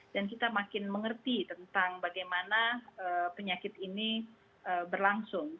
dan kita makin mengerti tentang bagaimana penyakit ini berlangsung